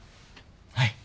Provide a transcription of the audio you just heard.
はい。